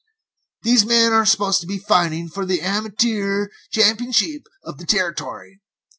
These men are supposed to be fightin' for the Amatoor Champeenship of the Territory.